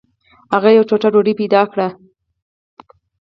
هغه یوه ټوټه ډوډۍ پیدا کړه.